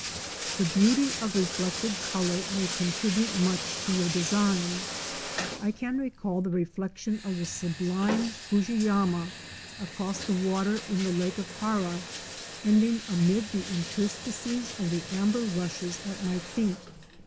The beauty of reflected colour may contribute much to your design. I can recall the reflection of the sublime Fuji yama across the water in the Lake of Hara, ending amid the interstices of the amber rushes at my feet.